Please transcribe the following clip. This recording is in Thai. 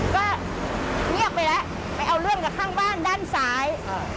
ก็เงียบไปแล้วไปเอาเรื่องกับข้างบ้านด้านซ้าย